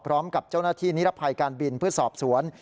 พร้อมกับเจ้าหน้าที่นิรภัยการบินเพื่อสอบสวน